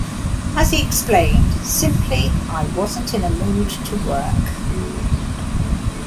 As he explained, Simply, I wasn't in a mood to work.